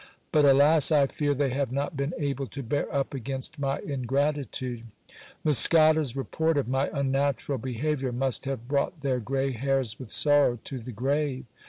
iBut, alas ! I fear, they have not been able to bear up against my ingratitude. Muscada's report of my unnatural be haviour must have brought their grey hairs with sorrow to the grave.